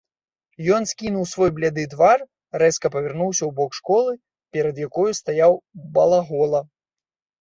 Ён ускінуў свой бляды твар, рэзка павярнуўся ў бок школы, перад якою стаяў балагола.